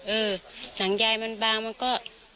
เออหนังยายมันบางมันก็